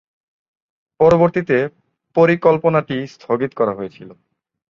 পরবর্তীতে পরিকল্পনাটি স্থগিত করা হয়েছিল।